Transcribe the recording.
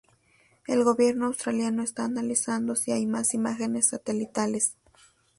El Gobierno australiano está analizando si hay más imágenes satelitales.